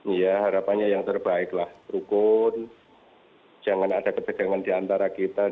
iya harapannya yang terbaik lah rukun jangan ada kebedangan di antara kita jangan ada kebanyakan